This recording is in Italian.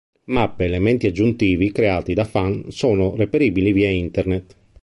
Mappe e elementi aggiuntivi creati da fan sono reperibili via Internet.